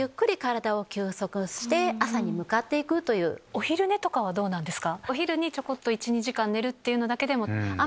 お昼寝とかはどうなんですか？